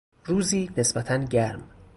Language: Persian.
روزی نسبتا گرم